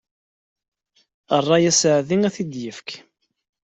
Ṛṛay asaεdi ad t-id-ifk.